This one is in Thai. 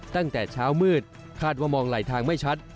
ตั้งแต่เช้ามืดคาดว่ามองไหลทางไม่ชัด